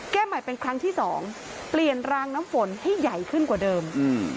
ใหม่เป็นครั้งที่สองเปลี่ยนรางน้ำฝนให้ใหญ่ขึ้นกว่าเดิมอืม